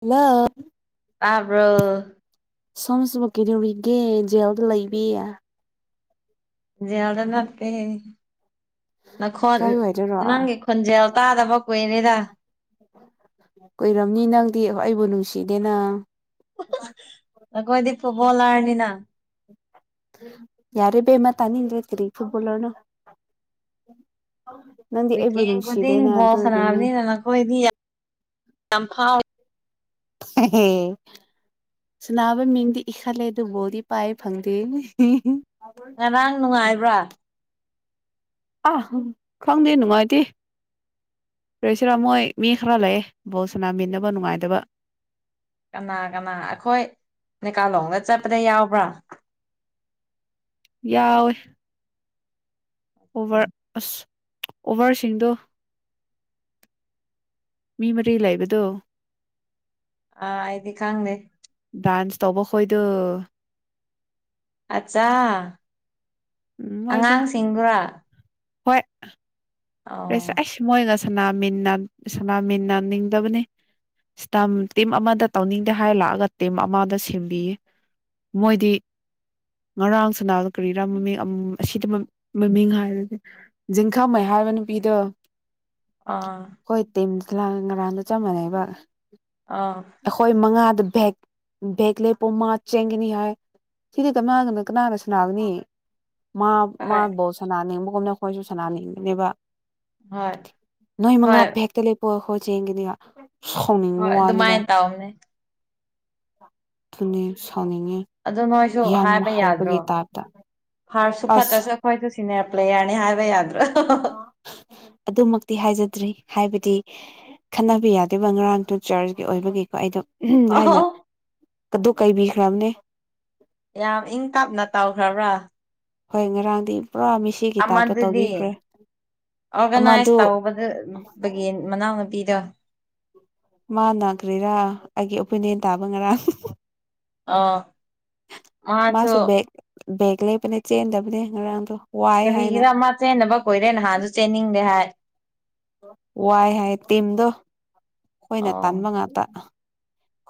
ꯍꯜꯂ ꯇꯥꯕ꯭ꯔꯣ ꯁꯣꯝꯁꯤꯕꯨ ꯀꯩꯗꯧꯒꯦ ꯖꯦꯜꯗ ꯂꯩꯕꯤ ꯖꯦꯜꯗ ꯅꯠꯇꯦ ꯅꯈꯣꯟ ꯀꯥꯏ ꯋꯥꯏꯗꯔꯣ ꯅꯪꯒꯤ ꯈꯣꯟꯖꯦꯜ ꯇꯥꯗꯕ ꯀꯨꯏꯔꯦꯗ ꯀꯨꯏꯔꯝꯅꯤ ꯅꯪꯗꯤ ꯑꯩꯕꯨ ꯅꯨꯡꯁꯤꯗꯦꯅ ꯑꯈꯣꯏꯗꯤ ꯐꯨꯠꯂꯣꯜꯂ꯭ꯔꯅꯤꯅ ꯌꯥꯔꯦ ꯏꯕꯦꯝꯃ ꯇꯥꯅꯤꯡꯗ꯭ꯔꯦ ꯀꯔꯤ ꯐꯨꯠꯕꯣꯜꯂ꯭ꯔꯅꯣ ꯋꯤꯀꯦꯟ ꯈꯨꯗꯤꯡ ꯕꯣꯜ ꯁꯥꯟꯅꯕꯅꯤꯅ ꯅꯈꯣꯏꯗꯤ ꯌꯥꯝ ꯌꯥꯝ ꯐꯥꯎꯏ ꯍꯦ ꯍꯦ ꯁꯥꯅꯕ ꯃꯤꯡꯗꯤ ꯏꯈꯠꯂꯦ ꯑꯗꯨꯕꯨ ꯕꯣꯜꯗꯤ ꯄꯥꯏꯕ ꯐꯪꯗꯦ ꯉꯔꯥꯡ ꯅꯨꯡꯉꯥꯏꯕ꯭ꯔꯥ ꯑꯥ ꯈꯪꯗꯦ ꯅꯨꯡꯉꯥꯏꯇꯦ ꯔꯤꯌꯥꯁꯦꯜ ꯃꯣꯏ ꯃꯤ ꯈꯔ ꯂꯩꯌꯦ ꯕꯣꯜ ꯁꯅꯥꯃꯤꯟꯅꯕ ꯅꯨꯡꯉꯥꯏꯇꯕ ꯀꯅꯥ ꯀꯅꯥ ꯑꯩꯈꯣꯏ ꯅꯤꯀꯥꯂꯣꯡꯗ ꯆꯠꯄꯥꯗ ꯌꯥꯎꯕ꯭ꯔꯥ ꯌꯥꯎꯏ ꯑꯣꯚ꯭ꯔ ꯑꯁ ꯑꯣꯚ꯭ꯔꯁꯤꯡꯗꯣ ꯃꯤ ꯃꯔꯤ ꯂꯩꯕꯗꯣ ꯑ ꯑꯩꯗꯤ ꯈꯪꯗꯦ ꯗꯥꯟꯁ ꯇꯧꯕ ꯈꯣꯏꯗꯣ ꯑꯠꯆꯥ ꯎꯝ ꯃꯣꯏꯗꯣ ꯑꯉꯥꯡꯁꯤꯡꯗꯨꯔꯥ ꯍꯣꯏ ꯁ ꯑꯣ ꯑꯩꯁ ꯃꯣꯏꯅ ꯁꯅꯥꯃꯤꯟꯅ ꯁꯅꯥꯃꯤꯟꯅꯅꯥꯅꯤꯡꯗꯕꯅꯤ ꯏꯁꯇ ꯇꯤꯝ ꯑꯃꯗ ꯇꯧꯅꯤꯡꯗꯦ ꯍꯥꯏꯔ ꯂꯥꯛꯑꯒ ꯇꯤꯝ ꯑꯃꯗ ꯁꯦꯝꯕꯤꯌꯦ ꯃꯣꯏꯗꯤ ꯉꯔꯥꯡ ꯁꯅꯥꯗ ꯀꯔꯤꯔꯥ ꯃꯃꯤꯡ ꯑꯁꯤꯗ ꯃꯃꯤꯡ ꯍꯥꯏꯔꯁꯦ ꯖꯤꯡꯈꯝꯩ ꯍꯥꯏꯕ ꯅꯨꯄꯤꯗ ꯑꯥ ꯍꯣꯏ ꯇꯝ ꯉꯔꯥꯡꯗ ꯆꯞ ꯃꯥꯟꯅꯩꯕ ꯑꯥ ꯑꯩꯈꯣꯏ ꯃꯉꯥꯗ ꯕꯦꯛ ꯚꯦꯦꯛ ꯂꯩꯦ ꯄꯨꯡꯃꯥ ꯆꯦꯟꯒꯅꯤ ꯍꯥꯏ ꯁꯤꯗꯤ ꯀꯅꯥꯒꯅ ꯀꯅꯥꯒꯁꯨ ꯅꯥꯕꯅꯤ ꯃꯥ ꯍꯣꯏ ꯃꯥꯕꯨꯣ ꯁꯅꯥ ꯅꯤꯡꯕꯒꯨꯝꯅ ꯑꯩꯈꯣꯏꯁꯨ ꯁꯅꯥ ꯅꯤꯡꯕꯅꯦꯕ ꯍꯣꯏ ꯅꯣꯏ ꯃꯉꯥ ꯍꯣꯏ ꯍꯦꯛꯇ ꯂꯩ ꯄꯣꯛꯑꯈꯣꯏ ꯆꯦꯡꯒꯅꯤꯒ ꯁꯥꯎꯅꯤꯡꯕ ꯍꯣꯏ ꯋꯥꯅꯤꯗ ꯑꯗꯨꯃꯥꯏꯅ ꯇꯧꯕꯅꯦ ꯑꯗꯨꯪꯅꯤ ꯁꯥꯎꯅꯤꯡꯉꯤ ꯑꯗꯨ ꯅꯣꯏꯁꯨ ꯍꯥꯏꯕ ꯌꯥꯗ꯭ꯔꯣ ꯐꯥꯔꯁꯨ ꯑꯁ ꯐꯠꯇ꯭ꯔꯁꯨ ꯑꯩꯈꯣꯏꯁꯨ ꯁꯤꯅꯤꯌꯔ ꯄ꯭ꯂꯦꯌꯔꯅꯤ ꯍꯥꯏꯕ ꯌꯥꯗ꯭ꯔꯣ ꯑꯗꯨꯃꯛꯇꯤ ꯍꯥꯏꯖꯗ꯭ꯔꯤ ꯍꯥꯏꯕꯗꯤ ꯈꯟꯅꯕ ꯌꯥꯗꯦꯕ ꯉꯔꯥꯡꯗꯨꯣ ꯆꯔꯆꯀꯤ ꯑꯣꯏꯕꯒꯤꯀꯣ ꯑꯩꯗꯣ ꯎꯝ ꯍꯥꯏꯅ ꯑꯧ ꯑꯗꯨ ꯀꯥꯏꯕꯤꯈ꯭ꯔꯕꯅꯦ ꯌꯥꯝ ꯏꯪ ꯇꯞꯅ ꯇꯥꯎꯈ꯭ꯔꯕ꯭ꯔꯥ ꯍꯣꯏ ꯉꯔꯥꯡꯗꯤ ꯄꯨꯔꯥ ꯃꯤꯁ ꯑꯃꯗꯨꯗꯤ ꯑꯃꯗꯨ ꯑꯣꯔꯒꯅꯥꯏꯁ ꯇꯧꯕꯗꯨ ꯕꯒꯦꯟ ꯃꯅꯥꯎꯅꯨꯄꯤꯗꯣ ꯃꯥ ꯀꯔꯤꯔꯥ ꯑꯩꯒꯤ ꯑꯣꯄꯤꯅꯤꯌꯟ ꯇꯥꯕ ꯉꯔꯥꯡ ꯑꯣ ꯃꯥꯁꯨ ꯕꯦꯒ ꯕꯦꯒ ꯂꯩꯕꯅꯦ ꯆꯦꯟꯗꯕꯅꯦ ꯉꯔꯥꯡꯗꯣ ꯋꯥꯏ ꯍꯥꯏꯅ ꯀꯔꯤꯒꯤꯔ ꯃꯥ ꯆꯦꯟꯅꯕ ꯀꯨꯏꯔꯦ ꯅꯍꯥꯟꯁꯨ ꯆꯦꯟꯅꯤꯡꯗꯦ ꯍꯥꯏ ꯋꯥꯏ ꯍꯥꯏ ꯇꯤꯝꯗꯣ ꯑꯩꯈꯣꯏꯅ ꯑꯣ ꯇꯥꯟꯕ ꯉꯥꯛꯇ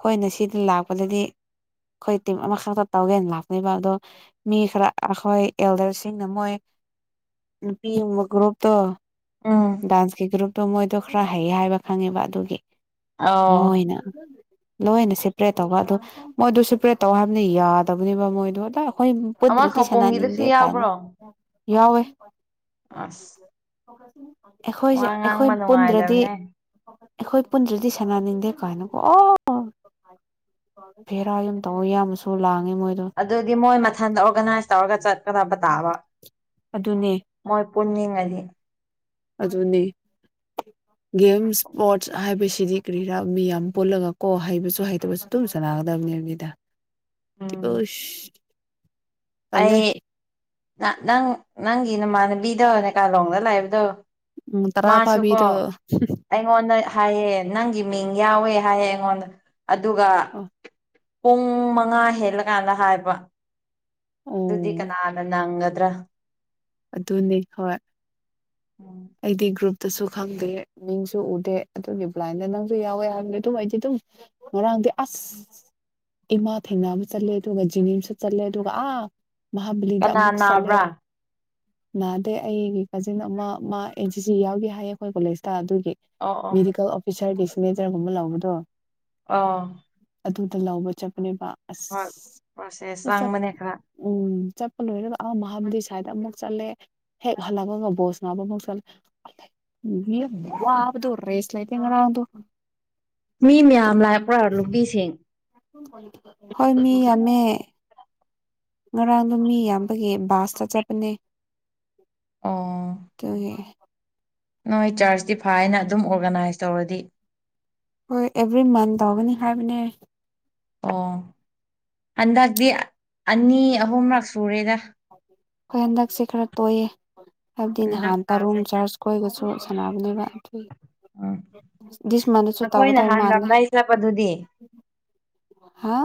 ꯍꯣꯏꯅꯦ ꯁꯤꯗꯤ ꯂꯥꯛꯄꯗꯗꯤ ꯑꯩꯈꯣꯏ ꯇꯤꯝ ꯑꯃꯈꯛꯇ ꯇꯧꯒꯦꯅ ꯂꯥꯛꯄꯅꯕ ꯑꯗꯣ ꯃꯤ ꯈꯔ ꯑꯩꯈꯣꯏ ꯑꯦꯜꯗꯔꯁꯤꯡꯅ ꯃꯣꯏ ꯅꯨꯄꯤꯃ ꯒ꯭ꯔꯨꯞꯇꯣ ꯎꯝ ꯗꯥꯟꯁꯀꯤ ꯒ꯭ꯔꯨꯞꯇꯣ ꯃꯣꯏꯗꯣ ꯈꯔ ꯍꯩ ꯍꯥꯏꯕ ꯈꯪꯉꯦꯕ ꯑꯗꯨꯒꯤ ꯑꯧ ꯃꯣꯏꯅ ꯂꯣꯏꯅ ꯁꯦꯄꯔꯦꯠ ꯇꯧꯕ ꯑꯗꯨ ꯃꯣꯏꯗ ꯁꯦꯄꯔꯦꯠ ꯇꯧ ꯍꯥꯏꯕꯅꯤ ꯌꯥꯗꯕꯅꯦꯕ ꯃꯣꯏꯗꯣ ꯑꯗꯣ ꯑꯩꯈꯣꯏ ꯑꯃ ꯄꯨꯟꯗ꯭ꯔꯗꯤ ꯈꯧꯄꯨꯝꯒꯤꯗꯨꯁꯨ ꯁꯅꯥꯅꯤꯡꯗꯦ ꯀꯥꯏꯅ ꯌꯥꯎꯕ꯭ꯔꯣ ꯌꯥꯎꯋꯦ ꯑꯁ ꯑꯩꯈꯣꯏꯁꯦ ꯋꯥ ꯑꯩꯈꯣꯏ ꯉꯥꯡꯕ ꯄꯨꯟꯗ꯭ꯔꯗꯤ ꯅꯨꯡꯉꯥꯏꯗꯕꯅꯦ ꯑꯩꯈꯣꯏ ꯄꯨꯟꯗ꯭ꯔꯗꯤ ꯁꯥꯟꯅꯅꯤꯡꯗꯦ ꯀꯥꯏꯅꯀꯣ ꯑꯣ ꯕꯦꯔꯥ ꯌꯥꯝ ꯇꯧꯋꯦ ꯌꯥꯝꯅꯁꯨ ꯂꯥꯡꯉꯦ ꯃꯣꯏ ꯑꯗꯨꯗꯤ ꯃꯣꯏ ꯃꯊꯟꯗ ꯑꯣꯔꯒꯅꯥꯏꯁ ꯇꯧꯔꯒ ꯆꯠꯀꯗꯕ ꯇꯥꯕ ꯑꯗꯨꯅꯦ ꯃꯣꯏ ꯄꯨꯟꯅꯤꯡꯉꯗꯤ ꯑꯗꯨꯅꯤ ꯒꯦꯝ ꯏꯁꯄꯣꯔꯠꯁ ꯍꯥꯏꯕꯁꯤꯗꯤ ꯀꯔꯤꯔꯥ ꯃꯤ ꯌꯥꯝ ꯄꯨꯜꯂꯒ ꯀꯣ ꯍꯥꯏꯕꯁꯨ ꯍꯥꯏꯇꯕꯁꯨ ꯑꯗꯨꯝ ꯁꯅꯥꯒꯗꯕꯅꯤ ꯍꯥꯏꯅꯤꯗ ꯎꯝ ꯑꯩ ꯅꯪ ꯅꯪꯒꯤ ꯅꯃꯥꯟꯅꯕꯤꯗꯣ ꯀꯥꯂꯣꯡꯗ ꯂꯩꯕꯗꯣ ꯎꯝ ꯇꯔꯥ ꯃꯥꯁꯨꯀꯣ ꯐꯥꯕꯤꯗꯣ ꯑꯩꯉꯣꯟꯗ ꯍꯥꯏꯑꯦ ꯅꯪꯒꯤ ꯃꯤꯡ ꯌꯥꯎꯋꯦ ꯍꯥꯏꯑꯦ ꯑꯩꯉꯣꯟꯗ ꯑꯗꯨꯒ ꯑ ꯄꯨꯡ ꯃꯉꯥ ꯍꯦꯜꯂꯀꯥꯟꯗ ꯍꯥꯏꯕ ꯑꯗꯨꯗꯤ ꯑꯣ ꯀꯅꯥꯅ ꯅꯪꯒꯗ꯭ꯔꯥ ꯑꯗꯨꯅꯤ ꯍꯣꯏ ꯑꯩꯗꯤ ꯒ꯭ꯔꯨꯞ ꯇꯁꯨ ꯈꯪꯗꯦ ꯃꯤꯡꯁꯨ ꯎꯗꯦ ꯑꯗꯨꯒꯤ ꯕꯥꯏꯟꯗ ꯅꯪꯁꯨ ꯌꯥꯎꯋꯦ ꯍꯥꯏꯕꯗ ꯑꯗꯨꯝ ꯑꯩꯗꯤ ꯑꯗꯨꯝ ꯉꯔꯥꯡꯗꯤ ꯑꯁ ꯏꯃꯥ ꯊꯦꯡꯅꯕ ꯆꯠꯂꯦ ꯑꯗꯨꯒ ꯖꯤꯅꯤꯝꯁꯨ ꯆꯠꯂꯦ ꯑꯗꯨꯒ ꯑꯥ ꯀꯅꯥ ꯃꯍꯥꯕꯂꯤꯗꯃꯨꯛ ꯆꯠꯂꯦ ꯅꯥꯕ꯭ꯔꯥ ꯅꯥꯗꯩ ꯑꯩꯒꯤ ꯀꯥꯖꯤꯟ ꯑꯃ ꯃꯥ ꯑꯦꯟ ꯁꯤ ꯁꯤ ꯌꯥꯎꯒꯦ ꯍꯥꯏꯌꯦ ꯑꯩꯈꯣꯏ ꯀꯣꯂꯦꯖꯇ ꯑꯗꯨꯒꯤ ꯑꯣ ꯑꯣ ꯃꯦꯗꯤꯀꯦꯜ ꯑꯣꯐꯤꯁꯔꯒꯤꯗꯤꯁꯤꯅꯦꯖꯔꯒꯨꯝꯕ ꯂꯥꯎꯕꯗꯣ ꯑꯥ ꯑꯗꯨꯗ ꯂꯧꯕ ꯆꯠꯄꯅꯦꯕ ꯍꯣꯏ ꯄ꯭ꯔꯣꯁꯦꯁ ꯑꯁ ꯆꯥꯡꯕꯅꯦ ꯈꯔ ꯎꯝ ꯆꯠꯄ ꯂꯣꯏꯔ ꯑ ꯃꯍꯥꯕꯤꯁꯨ ꯁꯥꯏꯗ ꯑꯃꯨꯛ ꯆꯠꯂꯦ ꯍꯦꯛ ꯍꯜꯂꯛꯄꯒ ꯕꯣꯁ ꯅꯥꯕ ꯑꯃꯨꯛ ꯆꯠꯂꯦ [unintelligible] ꯋꯥꯕꯗꯣ ꯔꯦꯁ ꯂꯥꯏꯇꯦ ꯉꯔꯥꯡꯗꯣ ꯃꯤ ꯃꯌꯥꯝ ꯂꯥꯛꯄ꯭ꯔꯥ ꯅꯨꯄꯤꯁꯤꯡ ꯍꯣꯏ ꯃꯤ ꯌꯥꯝꯃꯦ ꯉꯔꯥꯡꯗꯣ ꯃꯤ ꯌꯥꯝꯕꯒꯤ ꯕꯥꯁꯇ ꯆꯠꯄꯅꯦ ꯑꯣ ꯑꯗꯨꯒꯤ ꯅꯣꯏ ꯆꯔꯁꯇꯤ ꯐꯥꯏꯅ ꯑꯗꯨꯝ ꯑꯣꯔꯒꯅꯥꯏꯁ ꯇꯧꯔꯗꯤ ꯍꯣꯏ ꯑꯦꯕ꯭ꯔꯤ ꯃꯟ ꯇꯧꯒꯅꯤ ꯍꯥꯏꯕꯅꯦ ꯑꯣ ꯍꯟꯗꯛꯇꯤ ꯑꯅꯤ ꯑꯍꯨꯝꯔꯛ ꯁꯨꯔꯦꯗ ꯑꯩꯈꯣꯏ ꯍꯟꯗꯛꯁꯦ ꯈꯔ ꯇꯣꯏꯑꯦ ꯍꯥꯏꯕꯗꯤ ꯍꯟꯗꯛ ꯅꯍꯥꯟ ꯇꯔꯨꯝ ꯊꯥꯁꯦ ꯆꯔꯆ ꯑꯩꯈꯣꯏꯒꯁꯨ ꯁꯥꯟꯅꯕꯅꯦꯕ ꯑꯗꯨꯏ ꯎꯝ ꯗꯤꯁ ꯃꯟꯗꯁꯨ ꯅꯈꯣꯏ ꯇꯧꯒꯗꯕ ꯅꯍꯥꯟ ꯃꯥꯜꯂꯦ ꯂꯝꯂꯥꯏ ꯆꯠꯄꯗꯨꯗꯤ ꯍꯥ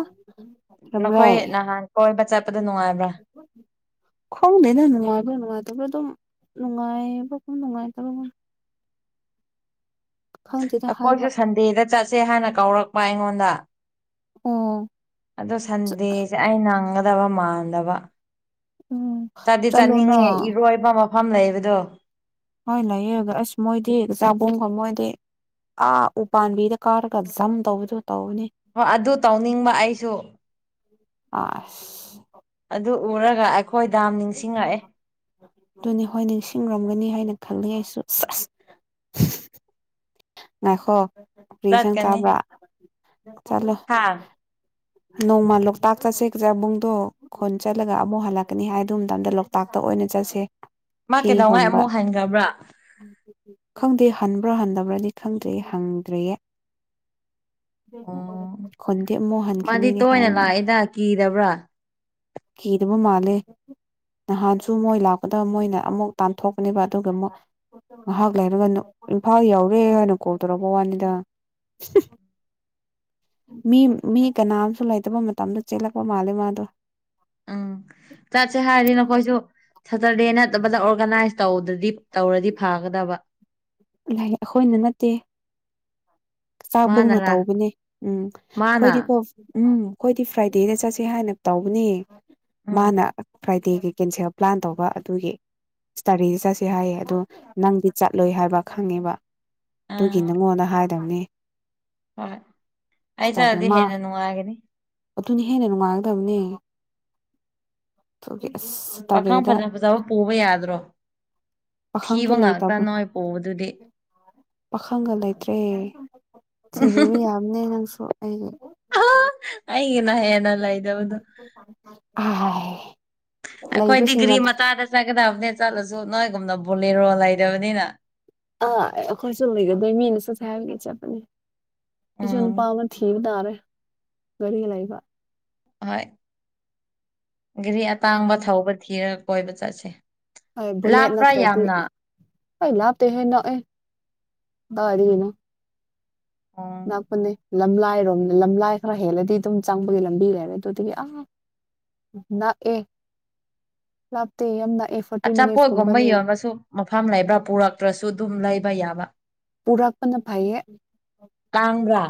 ꯔꯝꯂꯥꯏ ꯍꯣꯏꯕ ꯆꯠꯄꯗ ꯅꯨꯡꯉꯥꯏꯕ꯭ꯔꯥ ꯎ ꯈꯣꯡꯗꯦꯅ ꯅꯨꯡꯉꯥꯏꯕ꯭ꯔ ꯅꯨꯡꯉꯥꯏꯇꯕ ꯑꯗꯨꯝ ꯅꯨꯡꯉꯥꯏꯕꯒꯨꯝ ꯅꯨꯡꯉꯥꯏꯇꯕꯒꯨꯝ ꯈꯪꯗꯦꯗ ꯍꯥꯏꯕ ꯑꯩꯈꯣꯏꯁꯨ ꯁꯟꯗꯦꯗ ꯆꯠꯁꯦ ꯍꯥꯏꯅ ꯀꯧꯔꯛꯄ ꯑꯩꯉꯣꯟꯗ ꯑꯣ ꯑꯗ ꯁꯟꯗꯦꯁꯦ ꯑꯩ ꯅꯪꯒꯗꯕ ꯃꯥꯟꯗꯕ ꯎꯝ ꯆꯠꯗꯤ ꯆꯠꯂꯨꯅ ꯆꯠꯅꯤꯡꯉꯦ ꯏꯔꯣꯏꯕ ꯃꯐꯝ ꯂꯩꯕꯗꯣ ꯍꯣꯏ ꯂꯩꯌꯣ ꯑꯁ ꯃꯣꯏꯗꯤ ꯆꯥꯕꯣꯡꯒ ꯃꯣꯏꯗꯤ ꯑꯥ ꯎ ꯄꯥꯟꯝꯕꯤꯗ ꯀꯥꯔꯒ ꯖꯝ ꯇꯧꯕꯗꯣ ꯇꯧꯕꯅꯤ ꯍꯣꯏ ꯑꯗꯨ ꯇꯧꯅꯤꯡꯕ ꯑꯩꯁꯨ ꯑꯁ ꯑꯗꯨ ꯎꯔꯒ ꯑꯩꯈꯣꯏꯗꯥꯝ ꯅꯤꯡꯁꯤꯡꯉꯛꯑꯦ ꯑꯗꯨꯅꯤ ꯍꯣꯏ ꯅꯤꯡꯁꯤꯡꯔꯝꯒꯅꯤ ꯍꯥꯏꯅ ꯈꯜꯂꯤ ꯑꯩꯁꯨ ꯑꯁ ꯉꯅꯥꯥꯏꯈꯣ ꯐ꯭ꯔꯤ ꯁꯪ ꯆꯥꯕ꯭ꯔꯥ ꯆꯠꯂꯣ ꯍꯥꯥ ꯅꯣꯡꯃꯜꯂꯣꯛ ꯇꯥꯛ ꯆꯥꯁꯦ ꯀꯁꯦꯕꯨꯡꯗꯣ ꯈꯣꯟ ꯆꯠꯂꯒ ꯑꯃꯨꯛ ꯍꯜꯂꯛꯀꯅꯤ ꯍꯥꯏ ꯑꯗꯨ ꯃꯇꯝꯗ ꯂꯣꯛꯇꯥꯛꯇ ꯑꯣꯏꯅ ꯆꯠꯁꯦ ꯃꯥ ꯍꯤ ꯀꯩꯗꯧꯉꯥꯏ ꯍꯣꯟꯕ ꯑꯃꯨꯛ ꯍꯟꯒꯕ꯭ꯔꯥ ꯈꯪꯗꯦ ꯍꯟꯕ꯭ꯔꯥ ꯍꯟꯗꯕ꯭ꯔꯗꯤ ꯈꯪꯗ꯭ꯔꯦ ꯍꯪꯗ꯭ꯔꯦꯌꯦ ꯑꯣ ꯈꯣꯟꯗꯦ ꯃꯣꯍꯟ ꯃꯥꯗꯤ ꯇꯣꯏꯅ ꯂꯥꯛꯏꯦꯗ ꯀꯤꯕ꯭ꯔꯥ ꯀꯔꯕꯨ ꯃꯥꯂꯦ ꯅꯍꯥꯟꯁꯨ ꯃꯣꯏ ꯂꯥꯛꯀꯗꯕ ꯃꯣꯏꯅ ꯑꯃꯨꯛ ꯇꯥꯟꯊꯣꯛꯀꯅꯦꯕ ꯑꯗꯨꯒ ꯑꯃꯨꯛ ꯉꯥꯏꯍꯥꯛ ꯂꯩꯔꯒ ꯏꯝꯐꯥꯜ ꯌꯥꯎꯔꯦ ꯍꯥꯏꯅ ꯀꯣꯜ ꯇꯧꯔꯛꯄ ꯋꯥꯅꯤꯗ ꯃꯤ ꯃꯤ ꯀꯅꯥꯝꯁꯨ ꯂꯩꯇꯕ ꯃꯇꯝꯗ ꯆꯦꯜꯂꯛꯄ ꯃꯥꯜꯂꯦ ꯃꯥꯗꯣ ꯎꯝ ꯆꯠꯁꯦ ꯍꯥꯏꯔꯤꯅ ꯀꯣꯏꯁꯨ ꯁꯇꯔꯗꯦ ꯅꯠꯇꯕꯗ ꯑꯣꯔꯒꯅꯥꯏꯁ ꯇꯧꯗ꯭ꯔꯗꯤ ꯇꯧꯔꯗꯤ ꯐꯥꯒꯗꯕ ꯂꯥꯏꯔꯤꯛ ꯑꯩꯈꯣꯏꯅ ꯅꯠꯇꯦ ꯆꯥꯛꯕꯣꯡꯅ ꯃꯥꯅꯔꯥ ꯇꯧꯕꯅꯦ ꯎꯝ ꯃꯥꯅ ꯑꯩꯈꯣꯏꯗꯤꯀꯣ ꯎꯝ ꯑꯩꯈꯣꯏꯗꯤ ꯐ꯭ꯔꯥꯏꯗꯦꯗ ꯆꯠꯁꯦ ꯍꯥꯏꯅ ꯇꯧꯕꯅꯦ ꯎꯝ ꯃꯥꯅ ꯐ꯭ꯔꯥꯏ ꯗꯦꯒꯤ ꯀꯦꯟꯁꯦꯜ ꯄ꯭ꯂꯥꯟ ꯇꯧꯕ ꯑꯗꯨꯒꯤ ꯏꯁꯇꯥꯗꯤ ꯆꯠꯁꯦ ꯍꯥꯏꯌꯦ ꯑꯗꯨꯗꯣ ꯅꯪꯗꯤ ꯆꯠꯂꯣꯏ ꯍꯥꯏꯕ ꯈꯪꯉꯦꯕ ꯑꯗꯨꯒꯤ ꯑꯥ ꯅꯪꯉꯣꯅ ꯍꯥꯏꯗꯧꯅꯦ ꯍꯣꯏ ꯑꯩ ꯆꯥꯔꯗꯤ ꯍꯦꯟꯅ ꯅꯨꯡꯉꯥꯏꯒꯅꯤ ꯑꯗꯨꯅ ꯍꯦꯟꯅ ꯅꯨꯡꯉꯥꯏꯒꯗꯕꯅꯦ ꯑꯣꯦ ꯑꯁ ꯄꯥꯈꯪ ꯁꯇꯔꯗꯦꯗ ꯐꯖ ꯐꯖꯕ ꯄꯨꯕ ꯌꯥꯗ꯭ꯔꯣ ꯄꯥꯈꯪꯁꯨ ꯊꯤꯕ ꯉꯥꯛꯇ ꯂꯩꯇꯕꯅ ꯅꯣꯏ ꯄꯣꯕꯗꯨꯗꯤ ꯄꯥꯈꯪꯒ ꯂꯩꯇ꯭ꯔꯦ ꯊꯤꯕꯤꯕ ꯌꯥꯕꯅꯦ ꯅꯪꯁꯨ ꯑꯩ ꯑ ꯑꯩꯒꯤꯅ ꯍꯦꯅꯂ ꯏꯗꯕꯗꯨ ꯑꯥꯏ ꯑꯩꯈꯣꯏ ꯂꯩꯕꯁꯤꯡꯅ ꯗꯤꯒ꯭ꯔꯤ ꯃꯆꯥꯗ ꯆꯠꯀꯗꯕꯅꯦ ꯆꯠꯂꯁꯨ ꯅꯣꯏꯒꯨꯝꯅ ꯕꯣꯂꯦꯔꯣ ꯂꯩꯗꯕꯅꯤꯅ ꯑꯥ ꯑꯩꯈꯣꯏꯁꯨ ꯂꯩꯒꯗꯣꯏ ꯃꯤꯅ ꯆꯠꯁꯦ ꯍꯥꯏꯕꯒꯤ ꯆꯠꯄꯅꯦ ꯑꯩꯁꯨ ꯅꯨꯄꯥ ꯎꯝ ꯑꯃ ꯊꯤꯕ ꯇꯥꯔꯦ ꯒꯥꯔꯤ ꯂꯩꯕ ꯍꯣꯏ ꯘꯔꯤ ꯑꯇꯥꯡꯕ ꯊꯧꯕ ꯊꯤꯔꯒ ꯀꯣꯏꯕ ꯆꯠꯁꯦ ꯍꯣꯏ ꯕꯨꯂꯦꯠ ꯂꯥꯞꯄ꯭ꯔꯥ ꯅꯠꯇ꯭ꯔꯗꯤ ꯌꯥꯝꯅ ꯍꯣꯏ ꯂꯥꯞꯇꯦ ꯍꯦ ꯅꯣꯛꯑꯦ ꯑꯗꯨꯗꯥꯏꯔꯤꯒꯤꯅꯣ ꯑꯣ ꯉꯥꯛꯄꯅꯦ ꯂꯝꯂꯥꯏꯔꯣꯝ ꯂꯝꯂꯥꯏ ꯈꯔ ꯍꯦꯜꯂꯗꯤ ꯑꯗꯨꯝ ꯆꯪꯕꯒꯤ ꯂꯝꯕꯤ ꯂꯩꯔꯦ ꯑꯗꯨꯗꯒꯤ ꯑ ꯅꯥ ꯑꯦ ꯂꯥꯛꯇ ꯌꯥꯝꯅ ꯑꯦ ꯑꯆꯥꯄꯣꯠꯒꯨꯝꯕ ꯌꯦꯡꯒꯁꯨ ꯃꯐꯝ ꯂꯩꯕ꯭ꯔꯥ ꯄꯨꯔꯛꯇ꯭ꯔꯁꯨ ꯑꯗꯨꯝ ꯂꯩꯕ ꯌꯥꯕ ꯄꯨꯔꯛꯄꯅ ꯐꯩꯌꯦ ꯀꯥꯡꯕ꯭ꯔꯥ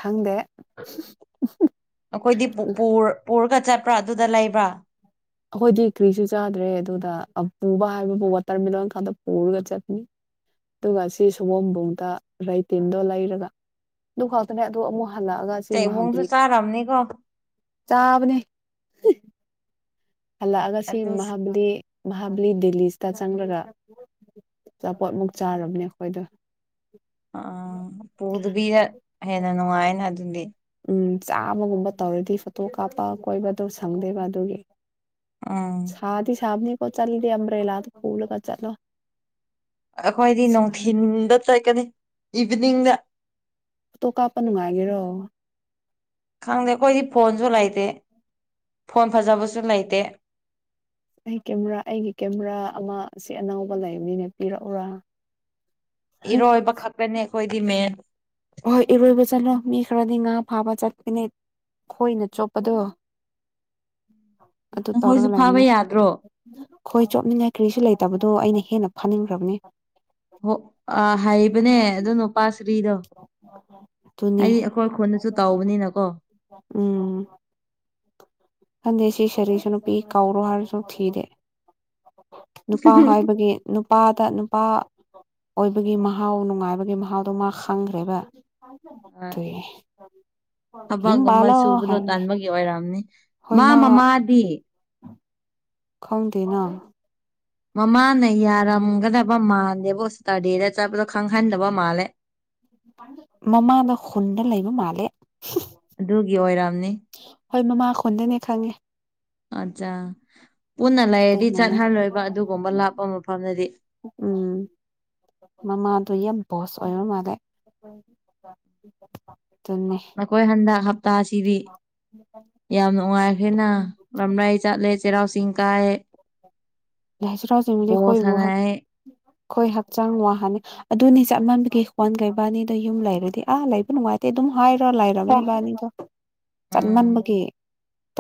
ꯈꯪꯗꯦ ꯑꯩꯈꯣꯏꯗꯤ ꯄꯨꯄꯨꯔ ꯄꯨꯔꯒ ꯆꯠꯄ꯭ꯔꯥ ꯑꯗꯨꯗ ꯂꯩꯕ꯭ꯔꯥ ꯑꯩꯈꯣꯏꯗꯤ ꯀ꯭ꯔꯤꯁꯨ ꯆꯥꯗ꯭ꯔꯦ ꯑꯗꯨꯗ ꯄꯨꯕ ꯍꯥꯏꯕꯕꯨ ꯋꯥꯇꯔꯃꯦꯂꯂꯣꯟ ꯀꯥꯟꯗ ꯄꯨꯔꯒ ꯆꯠꯅꯤ ꯑꯗꯨꯒ ꯁꯤ ꯁꯒꯣꯝꯝꯕꯨꯡꯗ ꯔꯥꯏꯇꯤꯟꯗꯣ ꯂꯩꯔꯒ ꯑꯗꯨꯗꯨ ꯈꯥꯎꯗꯅꯦ ꯑꯗꯣ ꯑꯃꯨꯛ ꯍꯜꯂꯑꯒ ꯁꯤ ꯆꯩꯑꯣꯡꯁꯨ ꯃꯥꯕꯂꯤ ꯆꯥꯔꯝꯅꯤꯀꯣ ꯆꯥꯎꯥꯕꯅꯤ ꯍꯜꯂꯛꯑꯒ ꯁꯤ ꯑꯗꯨꯁꯨ ꯃꯍꯥꯕꯂꯤ ꯃꯍꯥꯕꯂꯤ ꯗꯦꯜꯂꯤꯁꯤꯗ ꯆꯪꯂꯪꯂꯒ ꯑꯆꯥꯄꯣꯠꯃꯨꯛ ꯆꯥꯔꯕꯅꯦ ꯑꯩꯈꯣꯏꯗꯣ ꯑꯥ ꯄꯨꯗꯕꯤꯗ ꯍꯦꯟꯅ ꯅꯨꯡꯉꯥꯏꯅ ꯑꯗꯨꯗꯤ ꯎꯝ ꯆꯥꯝꯃꯒꯨꯝꯕ ꯇꯧꯔꯗꯤ ꯐꯣꯇꯣ ꯀꯥꯞꯄ ꯀꯣꯏꯕꯗꯣ ꯁꯪꯗꯦꯕ ꯑꯗꯨꯒꯤ ꯎꯝ ꯁꯥꯗꯤ ꯁꯥꯝꯅꯤ ꯄ ꯆꯗꯦ ꯑꯝꯕ꯭ꯔꯦꯂ ꯐꯨꯂꯒ ꯆꯂꯣ ꯑꯩꯈꯣꯏꯗꯤ ꯅꯨꯡꯊꯤꯜꯗ ꯆꯠꯀꯅꯤ ꯏꯚꯤꯅꯤꯡꯗ ꯇꯣ ꯀꯥꯞꯄ ꯅꯨꯡꯉꯥꯏꯒꯦꯔꯣ ꯈꯪꯗꯦ ꯑꯩꯈꯣꯏꯗꯤ ꯐꯣꯟꯁꯨ ꯂꯩꯇꯦ ꯐꯣꯟ ꯐꯖꯕꯁꯨ ꯂꯩꯇꯦ ꯑꯩ ꯀꯦꯃꯦꯔꯥ ꯑꯩꯒꯤ ꯀꯦꯃꯦꯔꯥ ꯑꯃ ꯁꯤ ꯑꯅꯕ ꯂꯩꯕꯅꯤꯅ ꯄꯤꯔꯛꯎꯔꯥ ꯏꯔꯣꯏꯕ ꯈꯛꯀꯅꯦ ꯑꯩꯈꯣꯏꯗꯤ ꯃꯦꯟ ꯍꯣꯏ ꯏꯔꯣꯏꯕ ꯆꯠꯂꯣ ꯃꯤ ꯈꯔꯗꯤ ꯉꯥ ꯐꯥꯕ ꯆꯠꯄꯅꯦ ꯈꯣꯏꯅ ꯆꯣꯞꯄꯗꯣ ꯑꯗꯨ ꯅꯈꯣꯏꯁꯨ ꯇꯧꯔꯒ ꯐꯥꯕ ꯂꯩꯔꯝꯅꯦ ꯌꯥꯗ꯭ꯔꯣ ꯍꯣꯏ ꯆꯣꯞꯅꯤꯡꯉꯥꯏ ꯀꯔꯤꯁꯨ ꯂꯩꯇꯕꯗꯣ ꯑꯩꯅ ꯍꯦꯟꯅ ꯐꯥꯅꯤꯡꯈ꯭ꯔꯕꯅꯤ ꯍ ꯑ ꯍꯥꯏꯕꯅꯦ ꯑꯗꯨꯅꯣꯄꯥꯁꯔꯤꯗꯣ ꯑꯗꯨꯅꯦ ꯑꯩꯗꯤ ꯑꯩꯈꯣꯏꯈꯣꯟꯗꯁꯨ ꯇꯥꯎꯕꯅꯤꯅ ꯀꯣ ꯎꯝ ꯈꯟꯗꯦ ꯁꯤ ꯁꯔꯤꯁꯨ ꯅꯨꯄꯤ ꯀꯧꯔꯣ ꯍꯥꯏꯔꯁꯨ ꯊꯤꯗꯦ ꯅꯨꯄꯥ ꯍꯥꯏꯕꯒꯤ ꯅꯨꯄꯥꯗ ꯅꯨꯄꯥ ꯑꯣꯏꯕꯒꯤ ꯃꯍꯥꯎ ꯅꯨꯡꯉꯥꯏꯕꯒꯤ ꯃꯍꯥꯎꯗꯣ ꯃꯥ ꯈꯪꯈ꯭ꯔꯦꯕ ꯍꯣꯏ ꯇ ꯊꯕꯛꯒꯨꯝꯕ ꯍꯨꯝꯕꯥꯂ ꯁꯨꯕꯗꯣ ꯍꯥꯏꯔꯅꯦ ꯇꯥꯟꯕꯒꯤ ꯑꯣꯏꯔꯝꯅꯤ ꯃꯥ ꯃꯃꯥꯗꯤ ꯎꯝ ꯈ꯭ꯋꯥꯗꯅ ꯃꯃꯥꯅ ꯌꯥꯔꯝꯒꯗꯕ ꯃꯥꯜꯂꯦꯕꯇꯥꯔꯗꯦꯗ ꯆꯠꯄꯗꯣ ꯈꯪꯍꯟꯗꯕ ꯃꯥꯜꯂꯦ ꯃꯃꯥꯗ ꯈꯨꯟꯗ ꯂꯩꯕ ꯃꯥꯜꯂꯦ ꯑꯗꯨꯒꯤ ꯑꯣꯏꯔꯝꯅꯤ ꯍꯣꯏ ꯃꯃꯥꯈꯣꯟꯗꯅꯦ ꯈꯪꯉꯦ ꯑꯠꯆꯥ ꯄꯨꯟꯅ ꯂꯩꯔꯗꯤ ꯑꯗꯨꯅꯅꯦ ꯆꯠꯍꯜꯂꯣꯏꯕ ꯑꯗꯨꯒꯨꯝꯕ ꯂꯥꯞꯄ ꯃꯐꯝꯗꯗꯤ ꯎꯝ ꯃꯃꯥꯗ ꯏ ꯌꯥꯝ ꯕꯣꯁ ꯑꯣꯏꯣ ꯃꯥꯗ [inaudible] ꯅꯈꯣꯏ ꯍꯟꯗꯛ ꯍꯞꯇꯥꯁꯤꯗꯤ ꯌꯥꯝ ꯅꯨꯡꯉꯥꯏꯈ꯭ꯔꯦꯅ ꯂꯝꯝꯂꯩ ꯆꯠꯂꯦ ꯆꯩꯔꯥꯎ ꯆꯤꯡ ꯀꯥꯏꯌꯦ ꯂꯁꯤ ꯇꯥꯎꯁꯤꯃꯗꯤ ꯍꯣꯏꯕ ꯍ ꯁꯥꯟꯅꯩ ꯑꯩꯈꯣꯏ ꯍꯛꯆꯥꯡ ꯋꯥꯍꯅꯤ ꯑꯗꯨꯅꯤ ꯆꯠꯃꯟꯕꯤꯒꯤ ꯍ꯭ꯣꯟ ꯀꯩꯕꯥꯅꯤꯗꯣ ꯌꯨꯝ ꯂꯩꯔꯗꯤ ꯑꯥ ꯂꯩꯕ ꯅꯨꯡꯉꯥꯏ ꯇꯦ ꯑꯗꯨꯝ ꯍꯥꯏꯔꯣ ꯂꯩꯔꯕꯅꯤ ꯕꯥꯅꯤꯗꯣ ꯎꯝ ꯆꯠꯃꯟꯕꯒꯤ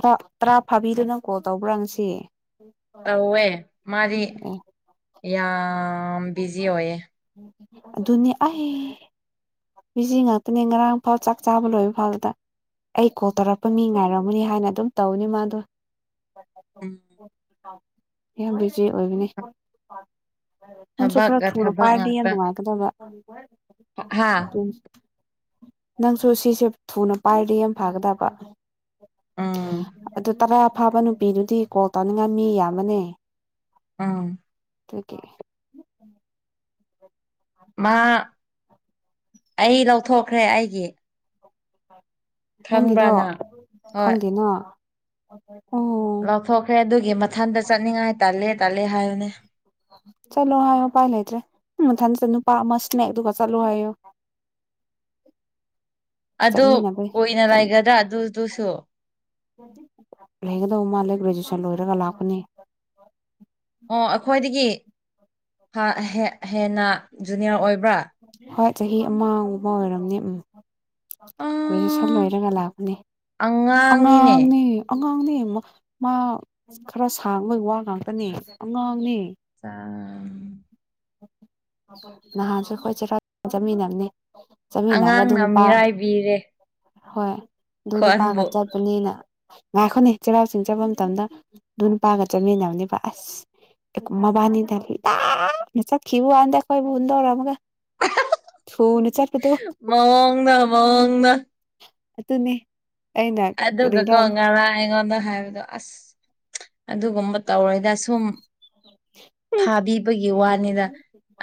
ꯔ ꯇꯔꯥ ꯐꯥꯕꯤꯗꯨꯅ ꯀꯣꯜ ꯇꯧꯕ꯭ꯔꯥ ꯉꯁꯤ ꯇꯧꯋꯦ ꯃꯥꯗꯤ ꯑꯦ ꯌꯥꯝ ꯕꯤꯖꯤ ꯑꯣꯏꯌꯦ ꯑꯗꯨꯅꯤ ꯑ ꯕꯤꯖꯤ ꯉꯥꯛꯇꯅꯦ ꯉꯔꯥꯡ ꯐꯥꯎ ꯆꯥꯛ ꯆꯥꯕ ꯂꯣꯏꯕ ꯐꯥꯎꯗ ꯑꯩ ꯀꯣꯜ ꯇꯧꯔꯛꯄ ꯃꯤ ꯉꯥꯏꯔꯝꯃꯅꯤ ꯍꯥꯏꯅ ꯑꯗꯨꯝ ꯇꯧꯅꯤ ꯃꯥꯗꯣ ꯎꯝ ꯌꯥꯝ ꯕꯤꯖꯤ ꯑꯣꯏꯕꯅꯦ ꯅꯪꯁꯨ ꯈꯔ ꯊꯕꯛꯀ ꯊꯨꯅ ꯊꯕꯛ ꯄꯥꯏꯔꯗꯤ ꯌꯥꯝ ꯉꯥꯛꯇ ꯅꯨꯡꯉꯥꯏꯒꯗꯕ ꯍꯥ ꯎꯝ ꯅꯪꯁꯨ ꯁꯤꯁꯦ ꯊꯨꯅ ꯄꯥꯏꯔꯦ ꯌꯥꯝ ꯐꯥꯒꯗꯕ ꯎꯝ ꯑꯗꯨ ꯇꯔꯥ ꯐꯥꯕ ꯅꯨꯄꯤꯗꯨꯗꯤ ꯀꯣꯜ ꯇꯧꯅꯤꯡꯉꯥꯏ ꯃꯤ ꯌꯥꯝꯕꯅꯦ ꯎꯝ ꯑꯗꯨꯀꯤ ꯃꯥ ꯑꯩ ꯂꯧꯊꯣꯛꯈ꯭ꯔꯦ ꯑꯩꯒꯤ ꯈꯪꯕ꯭ꯔꯥ ꯅꯪꯒꯤꯗꯣ ꯅꯪ ꯍꯣꯏ ꯈꯪꯗꯦꯅꯥ ꯂꯧꯊꯣꯛꯈ꯭ꯔꯦ ꯑꯗꯨꯒꯤ ꯃꯊꯟꯇ ꯆꯠꯅꯤꯡꯉꯥꯏ ꯇꯜꯂꯦ ꯇꯜꯂꯦ ꯍꯥꯏꯕꯅꯦ ꯆꯠꯂꯣ ꯍꯥꯏꯌꯣ ꯎꯄꯥꯏ ꯂꯩꯇ꯭ꯔꯦ ꯎꯝ ꯃꯊꯟꯆꯇ ꯅꯨꯄꯥ ꯑꯃ ꯁ꯭ꯅꯦꯛꯗꯨꯒ ꯆꯠꯂꯣ ꯍꯥꯏꯌꯨ ꯑꯗꯨꯛ ꯆꯠꯃꯤꯟꯅꯕꯩ ꯀꯨꯏꯅ ꯂꯩꯒꯗ꯭ꯔꯥ ꯑꯗꯨꯗꯨꯁꯨ ꯂꯩꯒꯗꯧ ꯃꯥꯜꯂꯦ ꯒ꯭ꯔꯦꯖ꯭ꯑꯦꯁꯟ ꯂꯣꯏꯔꯒ ꯂꯥꯛꯄꯅꯤ ꯑꯣ ꯑꯩꯈꯣꯏꯗꯒꯤ ꯍꯥꯟ ꯍꯦꯛ ꯍꯦꯟꯅ ꯖꯨꯅꯤꯌ꯭ꯔ ꯑꯣꯏꯕ꯭ꯔꯥ ꯍꯣꯏ ꯆꯍꯤ ꯑꯃꯒꯨꯝꯕ ꯑꯣꯏꯔꯝꯅꯤ ꯎꯝ ꯒ꯭ꯔꯦꯖ꯭ꯋꯦꯁꯟ ꯑꯥ ꯂꯣꯏꯔꯒ ꯂꯥꯛꯄꯅꯤ ꯑꯉꯥꯡꯅꯤꯅꯦ ꯑꯉꯥꯡꯅꯦ ꯑꯉꯥꯡꯅꯦ ꯃꯥ ꯈꯔ ꯁꯥꯡꯕꯒꯤ ꯋꯥ ꯉꯥꯛꯇꯅꯦ ꯑꯉꯥꯡꯅꯦ ꯆꯥꯡ ꯅꯍꯥꯟꯁꯨ ꯑꯩꯈꯣꯏ ꯆꯩꯔꯥꯛ ꯆꯠꯃꯤꯟꯅꯕꯅꯦ ꯆꯠꯃꯤꯟꯅꯔꯒ ꯑꯗꯨ ꯑꯉꯥꯡꯅ ꯅꯨꯄꯥ ꯃꯤꯔꯥꯏꯕꯤꯔꯦ ꯍꯣꯏ ꯑꯗꯨ ꯅꯨꯄꯥꯒ ꯈ꯭ꯋꯥꯟꯕꯨ ꯆꯠ ꯆꯟꯅꯤꯅ ꯉꯥꯏꯈꯣꯅꯦ ꯆꯩꯔꯥꯎ ꯆꯤꯡ ꯆꯠꯄ ꯃꯇꯝꯗ ꯑꯗꯨ ꯅꯨꯄꯥꯒ ꯆꯠꯃꯤꯟꯅꯕꯅꯦꯕ ꯑꯁ ꯑꯦꯛ ꯃꯕꯥꯅꯤꯗꯗꯤ ꯇꯥ ꯅꯆꯠꯈꯤꯕꯨ ꯋꯥꯅꯤꯗ ꯑꯩꯈꯣꯏꯕꯨ ꯍꯨꯟꯗꯣꯛꯔꯝꯃꯒ ꯊꯨꯅ ꯆꯠ ꯃꯑꯣꯡꯗꯣ ꯃꯑꯣꯡꯅ ꯑꯇꯨꯅꯦ ꯑꯗꯨꯒꯀꯣ ꯉꯔꯥꯡ ꯑꯩꯉꯣꯟꯗ ꯍꯥꯏꯕꯗꯣ ꯑꯁ ꯑꯗꯨꯒꯨꯝꯕ ꯇꯧꯔꯣꯏꯗ ꯁꯨꯝ ꯐꯥꯕꯤꯕꯒꯤ ꯋꯥꯅꯤꯗ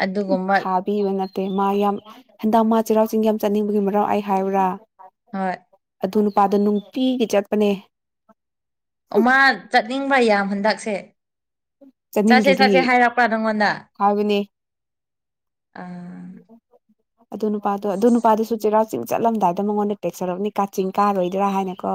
ꯑꯗꯨꯒꯨꯝꯕ ꯄꯤꯕ ꯅꯠꯇꯦ ꯃꯥ ꯌꯥꯝ ꯍꯟꯗꯛ ꯃꯥ ꯆꯩꯔꯥꯎ ꯆꯤꯡ ꯌꯥꯝ ꯆꯠꯅꯤꯡꯕꯒꯤ ꯃꯔꯥꯎ ꯑꯩ ꯍꯥꯏꯌꯨꯔꯥ ꯍꯣꯏ ꯑꯗꯨ ꯅꯨꯄꯥꯗꯣ ꯅꯨꯡꯄꯤꯒꯤ ꯆꯠꯄꯅꯦ ꯑꯣ ꯃꯥ ꯆꯠꯅꯤꯡꯕ ꯌꯥꯝ ꯍꯟꯗꯛꯁꯦ ꯆꯠꯁꯦ ꯆꯠꯅꯤꯡꯗ꯭ꯔꯗꯤ ꯆꯠꯁꯦ ꯍꯥꯏꯔꯛꯄ꯭ꯔꯥ ꯅꯪꯉꯣꯟꯗ ꯍꯥꯏꯕꯅꯦ ꯑ ꯑꯗꯨ ꯅꯨꯄꯥꯗꯣ ꯑꯗꯨ ꯅꯨꯄꯥꯗꯨꯁꯨ ꯆꯩꯔꯥꯎ ꯆꯤꯡ ꯆꯠꯂꯝꯗꯥꯏꯗ ꯃꯉꯣꯟꯗ ꯇꯦꯛꯁ ꯁ꯭ꯔꯔꯝꯅꯤ ꯀꯥꯆꯤꯡ ꯀꯥꯔꯣꯏꯗ꯭ꯔꯥ ꯍꯥꯏꯅ ꯀꯣ